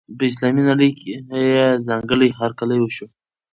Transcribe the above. په اسلامي نړۍ کې یې ځانګړی هرکلی وشو.